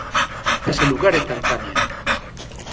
Ese lugar é Tanzania.